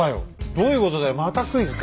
どういうことだよまたクイズか！